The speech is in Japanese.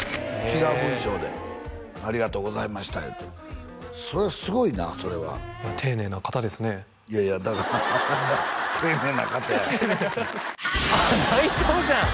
違う文章で「ありがとうございました」いうてそれはすごいなそれは丁寧な方ですねいやいやだから丁寧な方やあっ内藤じゃん！